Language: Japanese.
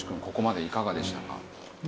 ここまでいかがでしたか？